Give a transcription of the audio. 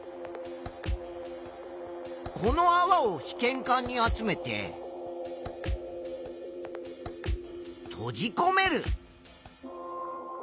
このあわを試験管に集めてとじこめる。